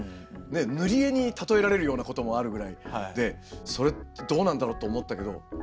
塗り絵に例えられるようなこともあるぐらいでそれってどうなんだろうと思ったけど。